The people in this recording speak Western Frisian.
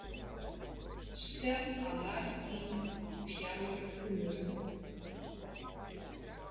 Stel alarm yn om fjouwer oere.